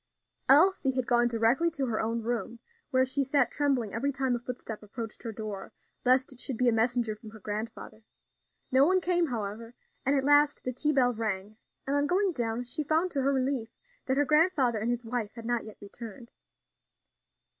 Elsie had gone directly to her own room, where she sat trembling every time a footstep approached her door, lest it should be a messenger from her grandfather. No one came, however, and at last the tea bell rang, and on going down she found to her relief that her grandfather and his wife had not yet returned.